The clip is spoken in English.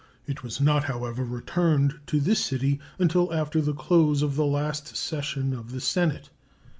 It was not, however, returned to this city until after the close of the last session of the Senate.